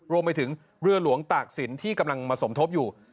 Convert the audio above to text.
รวมไปถึงเรือหลวงตากศิลป์ที่กำลังมาสมทบอยู่